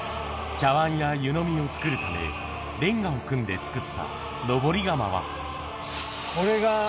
茶わんや湯飲みを作るため、レンガを組んで作った登り窯は。